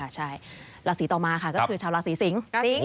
ใช่ค่ะละสีต่อมาค่ะก็คือชาวลาศรีสิงศ์